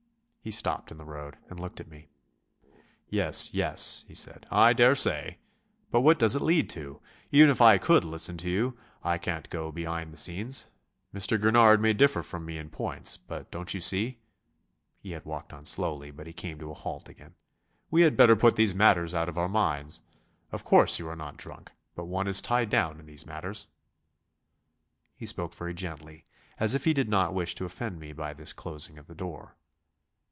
He stopped in the road and looked at me. "Yes, yes," he said, "I daresay.... But what does it lead to?... Even if I could listen to you I can't go behind the scenes. Mr. Gurnard may differ from me in points, but don't you see?..." He had walked on slowly, but he came to a halt again. "We had better put these matters out of our minds. Of course you are not drunk; but one is tied down in these matters...." He spoke very gently, as if he did not wish to offend me by this closing of the door.